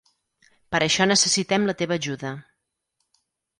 Per això necessitem la teva ajuda.